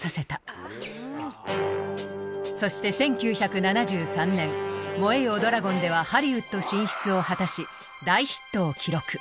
そして１９７３年「燃えよドラゴン」ではハリウッド進出を果たし大ヒットを記録。